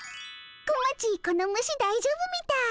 小町この虫だいじょうぶみたい。